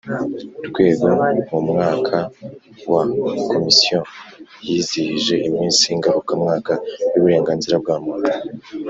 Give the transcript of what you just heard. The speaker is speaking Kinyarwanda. Rwego mu mwaka w komisiyo yizihije iminsi ngarukamwaka y uburenganzira bwa muntu